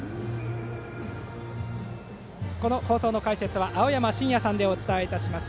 この放送の解説は青山眞也さんでお伝えします。